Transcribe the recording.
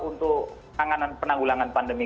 untuk penanggulangan pandemi